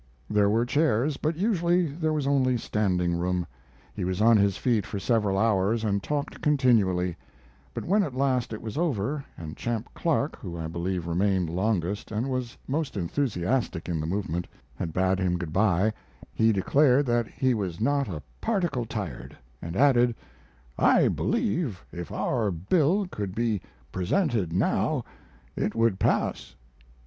There were chairs, but usually there was only standing room. He was on his feet for several hours and talked continually; but when at last it was over, and Champ Clark, who I believe remained longest and was most enthusiastic in the movement, had bade him good by, he declared that he was not a particle tired, and added: "I believe if our bill could be presented now it would pass."